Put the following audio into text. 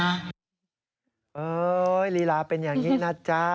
ลีลาเป็นอย่างนี้นะจ๊ะ